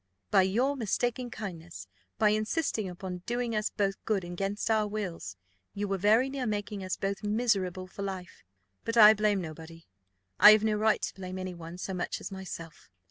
"By your mistaken kindness, by insisting upon doing us both good against our wills, you were very near making us both miserable for life. But I blame nobody; I have no right to blame any one so much as myself.